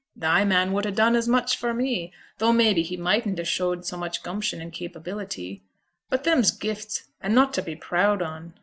Thy man would ha' done as much for me, though mebbe he mightn't ha' shown so much gumption and capability; but them's gifts, and not to be proud on.'